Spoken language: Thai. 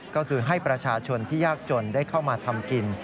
ก็คือให้ประชาชนที่ยากจนได้เข้ามาทำกิน